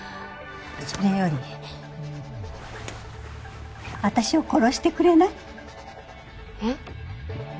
それより私を殺してくれない？え？